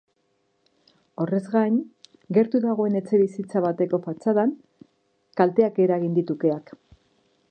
Horrez gain, gertu dagoen etxebizitza bateko fatxadan kalteak eragin ditu keak.